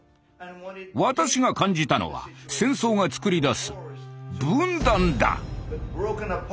私が感じたのは戦争がつくり出す分断だ。